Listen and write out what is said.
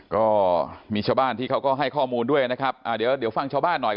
ก็มีชาวบ้านที่เขาก็ให้ข้อมูลด้วยนะครับอ่าเดี๋ยวเดี๋ยวฟังชาวบ้านหน่อย